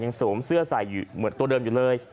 สวมเสื้อใส่อยู่เหมือนตัวเดิมอยู่เลย